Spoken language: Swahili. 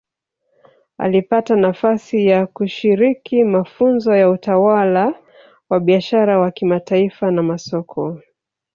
Alipata nafasi ya kushiriki mafunzo ya utawala wa biashara wa kimataifa na masoko